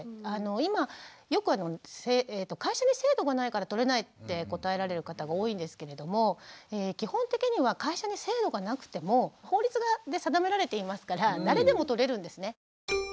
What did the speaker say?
今よく会社に制度がないからとれないって答えられる方が多いんですけれども基本的には会社に制度がなくても法律で定められていますから誰でもとれるんですね。